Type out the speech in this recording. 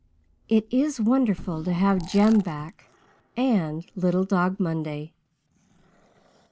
It is wonderful to have Jem back and little Dog Monday.